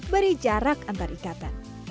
beri jarak antarikatan